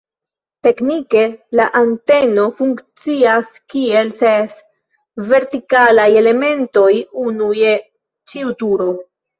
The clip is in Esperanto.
Teknike la anteno funkcias kiel ses vertikalaj elementoj, unu je ĉiu turo.